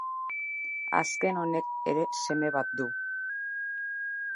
Azken honek ere seme bat du.